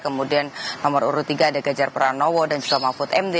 kemudian nomor urut tiga ada gajar pranowo dan juga mahfud md